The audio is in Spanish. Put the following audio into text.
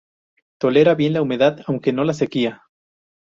Tolera bien la humedad, aunque no la sequía.